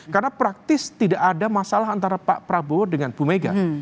karena praktis tidak ada masalah antara pak prabowo dengan bumega